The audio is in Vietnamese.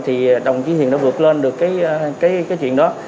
thì đồng chí hiền đã vượt lên được cái chuyện đó